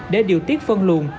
để điều tiết phân luồn